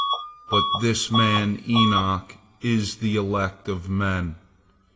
But this man Enoch is the elect of men.